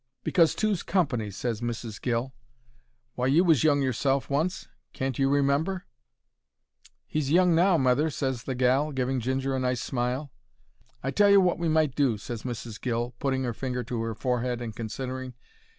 "Because two's company," ses Mrs. Gill. "Why you was young yourself once. Can't you remember?" "He's young now, mother," ses the gal, giving Ginger a nice smile. "I tell you wot we might do," ses Mrs. Gill, putting 'er finger to her forehead and considering.